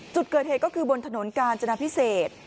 จุดเกิดเหตุก็คือบนถนนกาญจนาพิเศษ